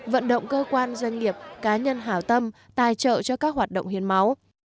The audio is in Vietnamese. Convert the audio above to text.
vận động cơ quan doanh nghiệp cá nhân hảo tâm tài trợ cho các hoạt động hiến máu